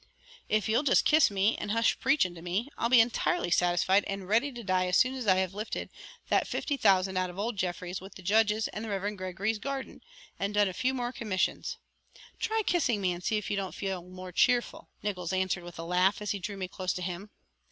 "If you'll just kiss me and hush preaching to me I'll be entirely satisfied and ready to die as soon as I have lifted that fifty thousand out of old Jeffries with the judge's and the Reverend Gregory's garden and done a few more commissions. Try kissing me and see if you don't feel more cheerful," Nickols answered with a laugh, as he drew me close to him.